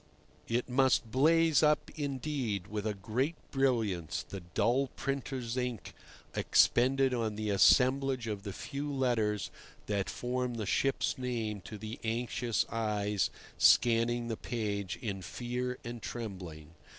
It must blaze up, indeed, with a great brilliance the dull printer's ink expended on the assemblage of the few letters that form the ship's name to the anxious eyes scanning the page in fear and trembling.